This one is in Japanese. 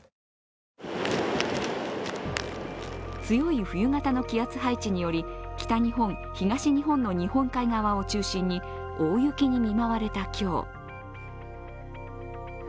強い冬型の気圧配置により、北日本、東日本の日本海側を中心に大雪に見舞われた今日。